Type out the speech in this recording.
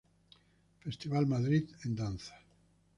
Festival Madrid en Danza.